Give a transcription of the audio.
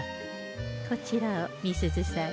こちらを美鈴さんに。